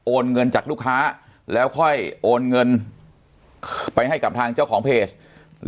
เงินจากลูกค้าแล้วค่อยโอนเงินไปให้กับทางเจ้าของเพจ